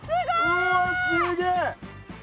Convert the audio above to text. うわっすげえ！